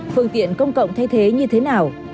phương tiện công cộng thay thế như thế nào